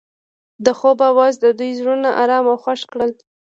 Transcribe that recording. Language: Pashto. د خوب اواز د دوی زړونه ارامه او خوښ کړل.